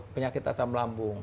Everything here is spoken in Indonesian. penyakit asam lambung